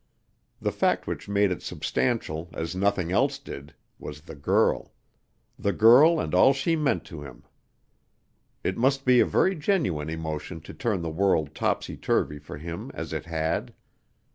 The fact which made it substantial, as nothing else did, was the girl the girl and all she meant to him. It must be a very genuine emotion to turn the world topsy turvy for him as it had.